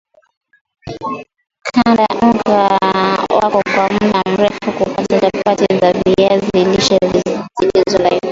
Kanda unga wako kwa mda mrefu kupata chapati za viazi lishe zilizo laini